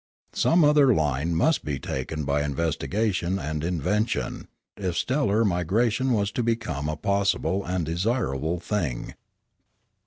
Some other line must be taken by investigation and invention, if stellar migra tion was to become a possible and desirable thing.